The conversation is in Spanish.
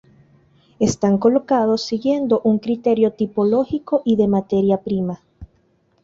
Están colocados siguiendo un criterio tipológico y de materia prima.